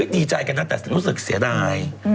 ดีใจกันนะแต่รู้สึกเสียดาย